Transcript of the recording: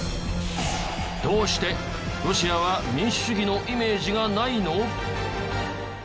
どうしてロシアは民主主義のイメージがないの？